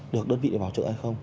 được đơn vị để bảo trợ hay không